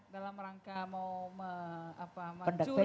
dalam rangka mau mencuri